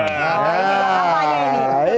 oh ini berapa aja ini